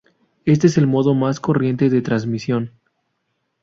Este es el modo más corriente de transmisión.